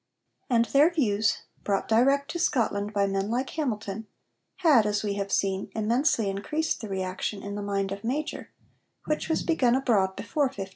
And their views, brought direct to Scotland by men like Hamilton, had, as we have seen, immensely increased the reaction in the mind of Major, which was begun abroad before 1518.